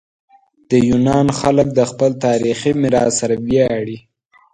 د یونان خلک د خپل تاریخي میراث سره ویاړي.